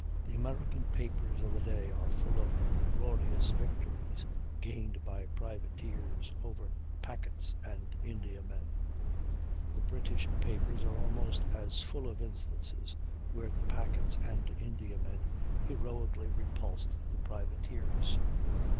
The American papers of the day are full of "glorious victories" gained by privateers over packets and Indiamen; the British papers are almost as full of instances where the packets and Indiamen "heroically repulsed" the privateers.